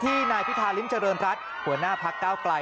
นายพิธาริมเจริญรัฐหัวหน้าพักเก้าไกล